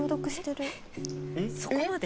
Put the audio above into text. そこまで？